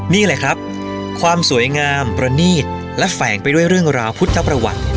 นี่แหละครับความสวยงามประนีตและแฝงไปด้วยเรื่องราวพุทธประวัติ